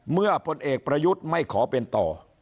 พลเอกประยุทธ์ไม่ขอเป็นต่อ